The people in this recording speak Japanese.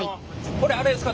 これあれですか